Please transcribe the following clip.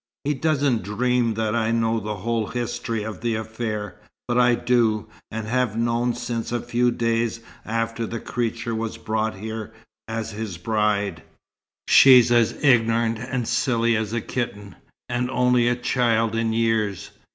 He doesn't dream that I know the whole history of the affair, but I do, and have known, since a few days after the creature was brought here as his bride. She's as ignorant and silly as a kitten, and only a child in years.